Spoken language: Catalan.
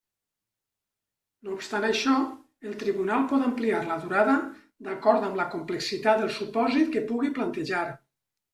No obstant això, el Tribunal pot ampliar la durada d'acord amb la complexitat del supòsit que pugui plantejar.